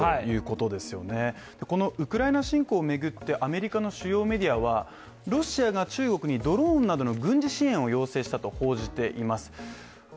このウクライナ侵攻を巡ってアメリカの主要メディアは、ロシアが中国にドローンなどの軍事支援を要請したと報じています。